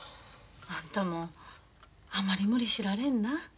あんたもあまり無理しられんな。